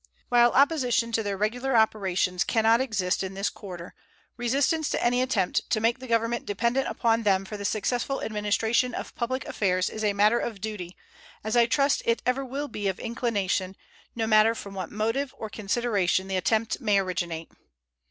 While opposition to their regular operations can not exist in this quarter, resistance to any attempt to make the Government dependent upon them for the successful administration of public affairs is a matter of duty, as I trust it ever will be of inclination, no matter from what motive or consideration the attempt may originate.